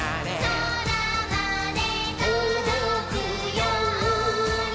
「そらまでとどくように」